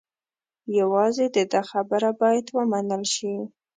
یوازې د ده خبره باید و منل شي.